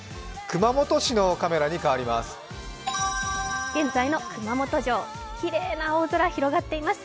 熊本市のカメラに変わります。